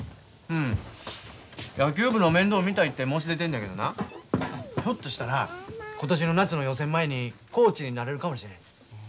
うん野球部の面倒見たいって申し出てるのやけどなひょっとしたら今年の夏の予選前にコーチになれるかもしれん。